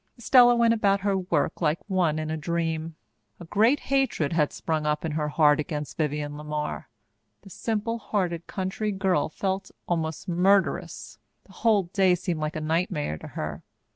Estella went about her work like one in a dream. A great hatred had sprung up in her heart against Vivienne LeMar. The simple hearted country girl felt almost murderous. The whole day seemed like a nightmare to her.